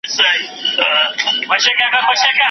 او ځوان شاعران زیاتره د نورو شاعرانو